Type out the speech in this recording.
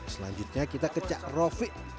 selanjutnya kita ke cak rofiq